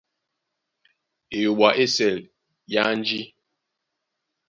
Eyoɓo á ésɛl é anji.